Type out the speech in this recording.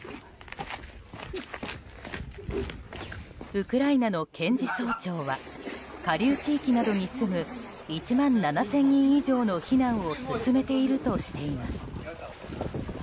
ウクライナの検事総長は下流地域などに住む１万７０００人以上の避難を進めているとしています。